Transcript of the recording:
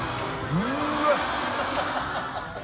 うーわっ！